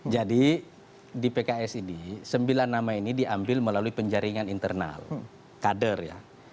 jadi di pks ini sembilan nama ini diambil melalui penjaringan internal kader ya